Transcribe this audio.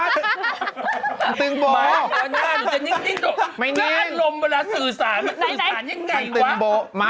เราเล่นเป็นอย่างไรในนั้นคาแรคเตอร์เป็นอย่างไร